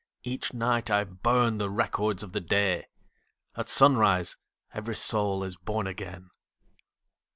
Each night I burn the records of the day, — At sunrise every soul is born again